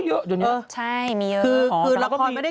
ต้องเปลี่ยนตัวละครไป